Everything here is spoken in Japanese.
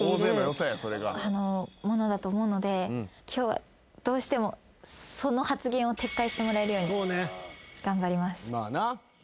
ものだと思うので今日はどうしてもその発言を撤回してもらえるように頑張ります。